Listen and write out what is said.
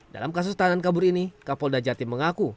dalam kasus tahanan kabur ini kapolda jatim mengaku